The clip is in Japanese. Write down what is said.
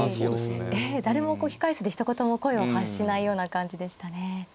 ええ誰もこう控え室でひと言も声を発しないような感じでしたね。